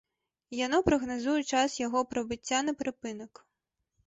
Яно прагназуе час яго прыбыцця на прыпынак.